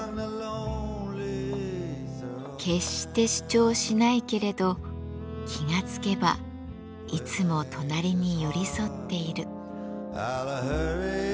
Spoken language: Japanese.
決して主張しないけれど気が付けばいつも隣に寄り添っている。